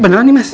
beneran nih mas